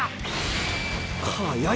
速い！